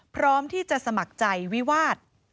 พร้อมที่จะสมัครใจวิวาส